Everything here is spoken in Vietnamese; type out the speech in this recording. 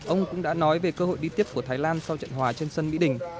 ông cũng đã nói về cơ hội đi tiếp của thái lan sau trận hòa trên sân mỹ đình